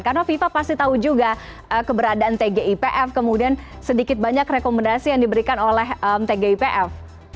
karena fifa pasti tahu juga keberadaan tgipf kemudian sedikit banyak rekomendasi yang diberikan oleh tgipf